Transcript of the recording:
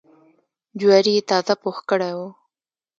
جواري یې تازه پوخ کړی و.